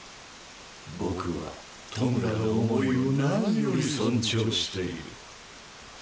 僕は弔の想いを何より尊重している。